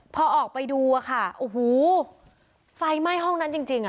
พอออกไปดูอะค่ะโอ้โหไฟไหม้ห้องนั้นจริงอ่ะ